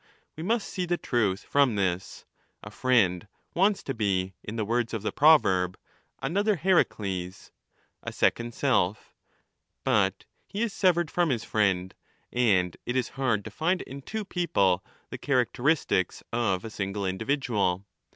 We must see the truth from this : a friend wants to be, in the 30 words of the proverb, * another Heracles ',' a second self ': but he is severed from his friend, and it is hard to find in two people the characteristics of a single individual.